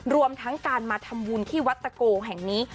รวมทั้งการมาทำบุญที่วัดตะโกแห่งนี้